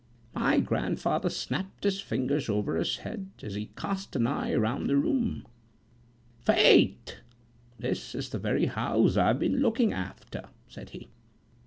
My grandfather snapped his fingers over his head, as he cast an eye round the room: "Faith, this is the very house I've been looking after," said he.